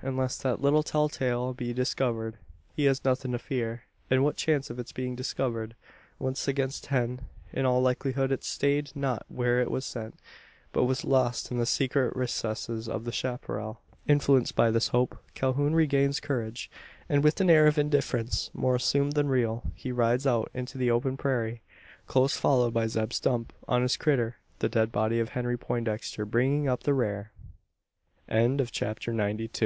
Unless that little tell tale be discovered, he has nothing to fear; and what chance of its being discovered? One against ten. In all likelihood it stayed not where it was sent, but was lost in the secret recesses of the chapparal? Influenced by this hope, Calhoun regains courage; and with an air of indifference, more assumed than real, he rides out into the open prairie close followed by Zeb Stump on his critter the dead body of Henry Poindexter bringing up the rear! CHAPTER NINETY THREE. A BODY BEHEADED.